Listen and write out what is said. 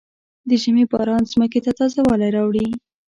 د ژمي باران ځمکې ته تازه والی راوړي.